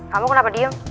kamu kenapa diem